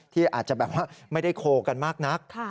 ที่อาจจะไม่ได้โคกันมากนัก